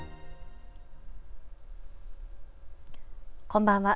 こんばんは。